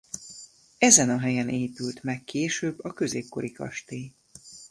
Ezen a helyen épült meg később a középkori kastély.